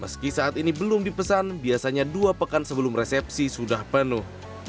meski saat ini belum dipesan biasanya dua pekan sebelum resepsi sudah penuh